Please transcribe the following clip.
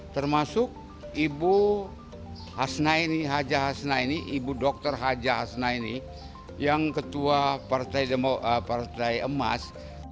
termasuk ibu hasnaini haja hasnaini ibu dr haja hasnaini yang ketua partai emas